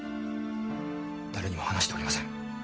誰にも話しておりません。